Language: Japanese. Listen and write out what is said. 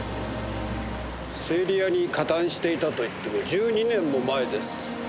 整理屋に加担していたといっても１２年も前です。